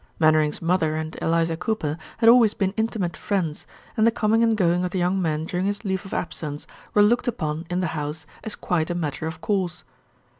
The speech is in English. Mainwaring's mother and Eliza Cooper had always been intimate friends, and the coming and going of the young man during his leave of absence were looked upon in the house as quite a matter of course.